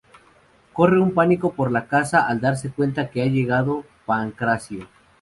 Corre un pánico por la casa al darse cuenta que ha llegado Pancracio.